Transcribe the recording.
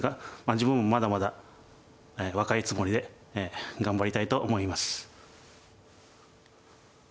自分もまだまだ若いつもりで頑張りたいと思います。